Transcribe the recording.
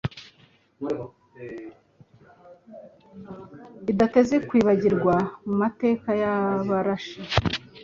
idateze kwibagirana mu mateka y’abarashi.